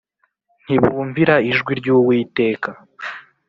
Ntibumvira ijwi ry’Uwiteka